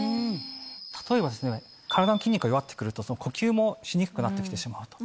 例えばですね体の筋肉が弱って来ると呼吸もしにくくなって来てしまうと。